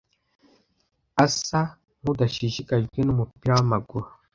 Asa nkudashishikajwe numupira wamaguru.